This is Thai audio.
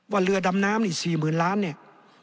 เรือดำน้ำนี่๔๐๐๐ล้านเนี่ย